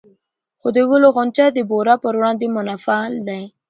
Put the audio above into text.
خو د ګلو غونچه د بورا پر وړاندې منفعل